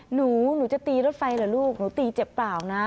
หนูหนูจะตีรถไฟเหรอลูกหนูตีเจ็บเปล่านะ